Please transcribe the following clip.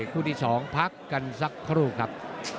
คู่ที่๒พักกันสักครู่ครับ